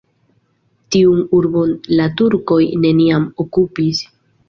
Tiun urbon la turkoj neniam okupis.